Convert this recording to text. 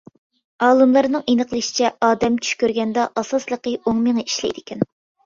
ئالىملارنىڭ ئېنىقلىشىچە، ئادەم چۈش كۆرگەندە ئاساسلىقى ئوڭ مېڭە ئىشلەيدىكەن.